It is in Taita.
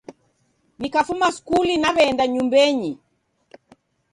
Nikafuma skuli naw'eenda nyumbenyi